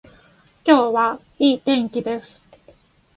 今日はいい天気です。